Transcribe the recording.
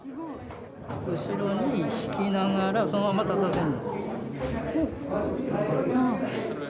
後ろに引きながら、そのまま立たせる。